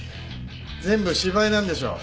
全部芝居なんでしょう？